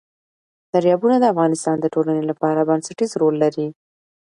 دریابونه د افغانستان د ټولنې لپاره بنسټيز رول لري.